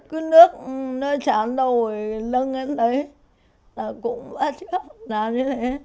cứ nước nó tràn đầu lưng lên đấy ta cũng ba chứ không làm như thế